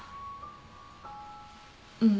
うん。